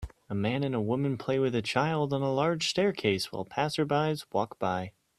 A man and a woman play with a child on a large staircase while passersby walk by